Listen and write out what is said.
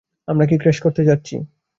আমরা কি ক্র্যাশ করতে যাচ্ছি?